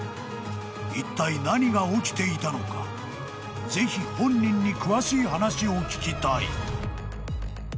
［いったい何が起きていたのかぜひ本人に詳しい話を聞きたい］